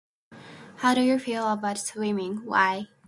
How do you feel about swimming? Why?